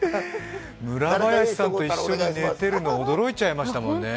村林さんと一緒に寝ているの驚いちゃったよね。